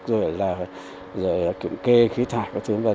rồi kiểm kê khí thải